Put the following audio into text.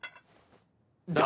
誰！？